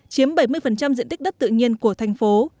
chiếm bảy mươi diện tích đất tự nhiên của thành phố